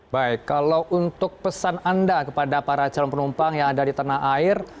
baik kalau untuk pesan anda kepada para calon penumpang yang ada di tanah air